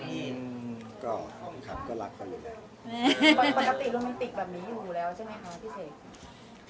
ปกติโรมนิติกแบบเนี่ยอยู่แล้วไม่ได้หรือเปล่าพี่เศษ